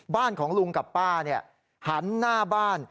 บ้านของลุงกับป้าหันหน้าบ้าน